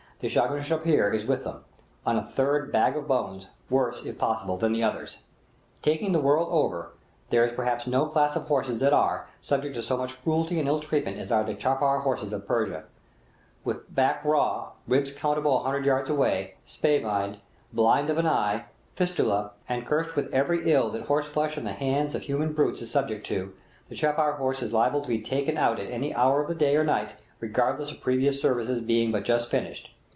The shagird chapar is with them, on a third "bag of bones," worse, if possible, than the others. Taking the world over, there is perhaps no class of horses that are, subject to so much cruelty and ill treatment as the chapar horses of Persia, With back raw, ribs countable a hundred yards away, spavined, blind of an eye, fistula, and cursed with every ill that horseflesh in the hands of human brutes is subject to, the chapar horse is liable to be taken out at any hour of the day or night, regardless of previous services being but just finished.